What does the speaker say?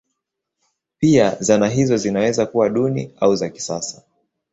Pia zana hizo zinaweza kuwa duni au za kisasa.